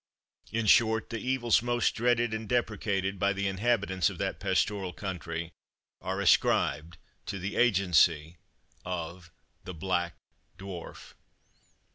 In short, the evils most dreaded and deprecated by the inhabitants of that pastoral country, are ascribed to the agency of the BLACK DWARF.